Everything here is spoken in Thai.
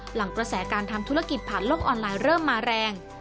หลังกระแสการทำธุรกิจผ่านโลกออนไลน์เริ่มมาแรง